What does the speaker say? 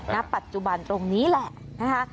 ณปัจจุบันตรงนี้แหละ